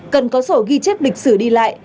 cần có sổ ghi chép lịch sử đi lại